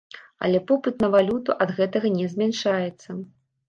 Але попыт на валюту ад гэтага не змяншаецца.